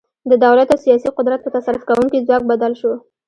د دولت او سیاسي قدرت په تصرف کوونکي ځواک بدل شو.